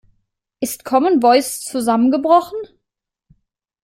Ist Common Voice zusammengebrochen?